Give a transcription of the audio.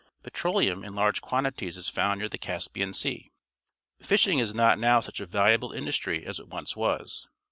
Petroleum in large quantities is found near the Caspian Sea. Fishing is not now such a valuable industry as it once was.